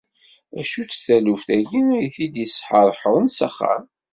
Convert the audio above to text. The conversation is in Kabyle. D acu-tt n taluft-agi i t-id-isḥerḥren s axxam?